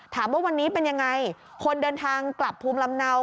ถามว่าวันนี้เป็นยังไงคนเดินทางกลับภูมิลำเนา